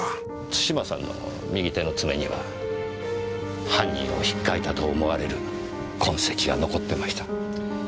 津島さんの右手の爪には犯人を引っかいたと思われる痕跡が残ってました。